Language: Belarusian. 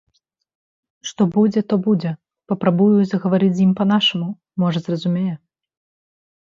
Што будзе, то будзе, папрабую загаварыць з ім па-нашаму, можа, зразумее.